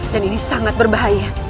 dan ini sangat berbahaya